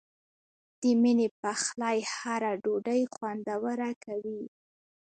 د مینې پخلی هره ډوډۍ خوندوره کوي.